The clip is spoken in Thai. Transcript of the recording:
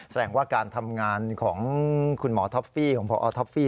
แสดงว่าการทำงานของคุณหมอท็อฟฟี่ของพอท็อฟฟี่